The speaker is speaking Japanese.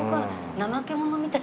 ナマケモノみたい。